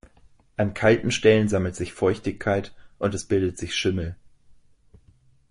An kalten Stellen sammelt sich Feuchtigkeit und es bildet sich Schimmel.